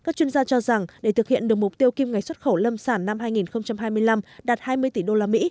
các chuyên gia cho rằng để thực hiện được mục tiêu kim ngạch xuất khẩu lâm sản năm hai nghìn hai mươi năm đạt hai mươi tỷ usd